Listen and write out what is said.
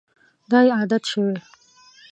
دا یې عادت شوی.